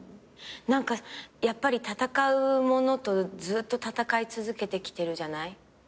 何かやっぱり闘うものとずっと闘い続けてきてるじゃない？